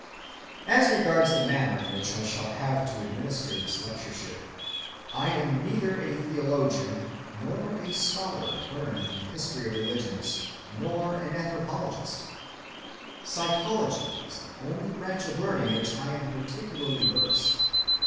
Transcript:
‐‐‐‐‐‐‐‐‐‐‐‐‐‐‐‐‐‐‐‐‐‐‐‐‐‐‐‐‐‐‐‐‐‐‐‐‐ As regards the manner in which I shall have to administer this lectureship, I am neither a theologian, nor a scholar learned in the history of religions, nor an anthropologist. Psychology is the only branch of learning in which I am particularly versed.